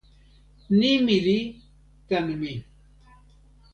nimi li tan mi.